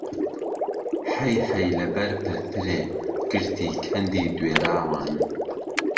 حهیحهی له بهر پرپرێ گرتی کهندی دوێراوان